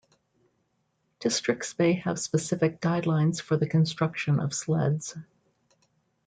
Districts may have specific guidelines for the construction of sleds.